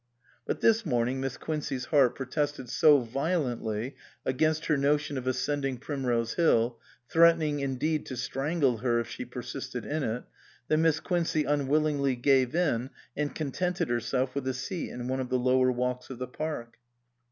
But this morning Miss Quincey's heart pro tested so violently against her notion of ascend ing Primrose Hill, threatening indeed to strangle her if she persisted in it, that Miss Quincey un willingly gave in and contented herself with a seat in one of the lower walks of the park.